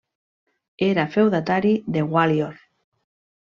Era feudatari de Gwalior.